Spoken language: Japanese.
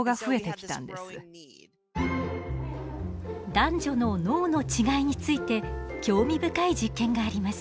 男女の脳の違いについて興味深い実験があります。